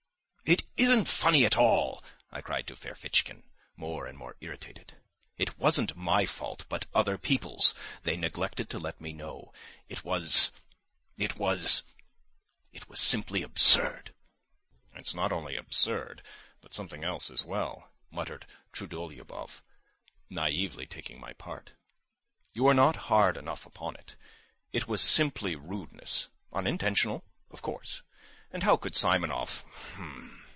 "It isn't funny at all!" I cried to Ferfitchkin, more and more irritated. "It wasn't my fault, but other people's. They neglected to let me know. It was ... it was ... it was simply absurd." "It's not only absurd, but something else as well," muttered Trudolyubov, naively taking my part. "You are not hard enough upon it. It was simply rudeness—unintentional, of course. And how could Simonov ... h'm!"